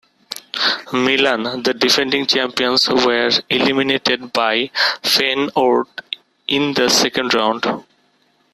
Milan, the defending champions, were eliminated by Feyenoord in the second round.